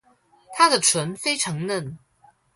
她的唇非常嫩